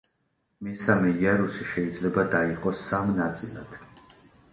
მესამე იარუსი შეიძლება დაიყოს სამ ნაწილად.